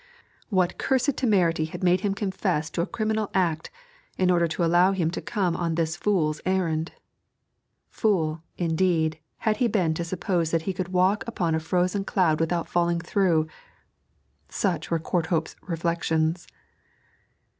What cursed temerity had made him confess to a criminal act in order to be allowed to come on this fool's errand? Fool, indeed, had he been to suppose that he could walk upon a frozen cloud without falling through! Such were Courthope's reflections.